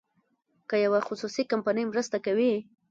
که یوه خصوصي کمپنۍ مرسته کوي.